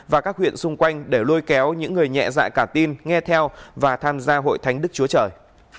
và các huyện xung quanh để lôi kéo những người nhẹ dạ cả tin nghe theo và tham gia hội thánh đức chúa trời